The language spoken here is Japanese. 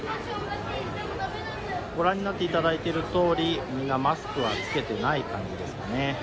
ご覧になっていただいている通り、みんなマスクはつけていない感じ